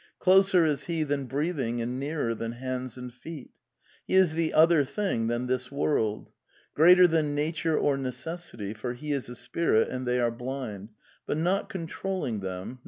Closer is he than breathing and nearer than hands and feet. He is the Other Thing than this world. Greater than Nature or Necessity, for he is a spirit and they are blind, but not controlling them.